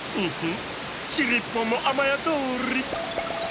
しりっぽんもあまやどり。